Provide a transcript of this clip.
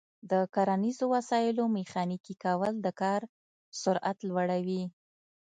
د کرنیزو وسایلو میخانیکي کول د کار سرعت لوړوي.